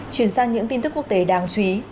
chuyển sang những tin tức quốc tế đáng chú ý